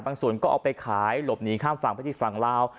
บางส่วนก็เอาไปขายหลบหนีข้ามฝั่งพฤติฝั่งลาว